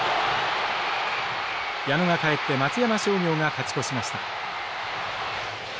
矢野が帰って松山商業が勝ち越しました。